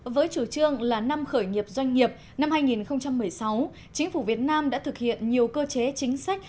với chủ trương là năm khởi nghiệp doanh nghiệp năm hai nghìn một mươi sáu chính phủ việt nam đã thực hiện nhiều cơ chế chính sách